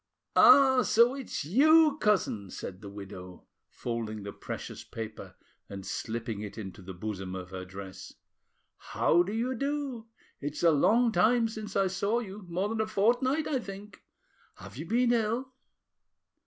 "Ah! so it's you, cousin?" said the widow, folding the precious paper and slipping it into the bosom of her dress. "How do you do? It's a long time since I saw you, more than a fortnight, I think. Have you been ill?"